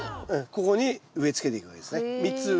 ここに植えつけていくわけですね。